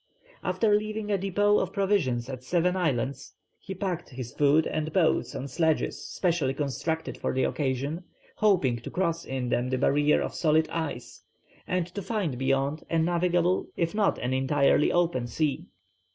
After leaving a depôt of provisions at Seven Islands he packed his food and boats on sledges specially constructed for the occasion, hoping to cross in them the barrier of solid ice, and to find beyond a navigable if not an entirely open sea.